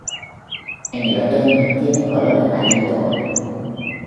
En el otoño tiene c olor amarillo oro.